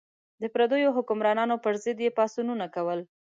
د پردیو حکمرانانو پر ضد یې پاڅونونه کول.